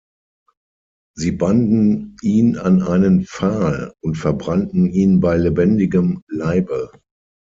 Sie banden ihn an einen Pfahl und verbrannten ihn bei lebendigem Leibe.